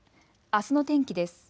あすの天気です。